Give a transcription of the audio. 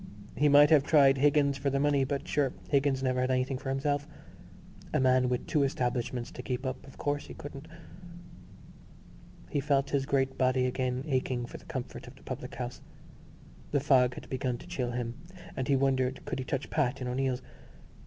He might have tried Higgins for the money, but sure Higgins never had anything for himself. A man with two establishments to keep up, of course he couldn't.... He felt his great body again aching for the comfort of the public house. The fog had begun to chill him and he wondered could he touch Pat in O'Neill's.